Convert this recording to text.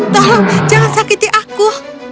tolong jangan sakiti aku